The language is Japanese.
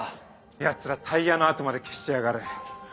ヤツらタイヤの跡まで消してやがる。